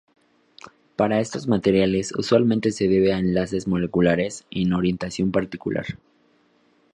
Para estos materiales, usualmente se debe a enlaces moleculares en orientación particular.